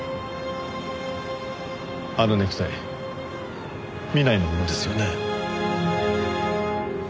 あのネクタイ南井のものですよね？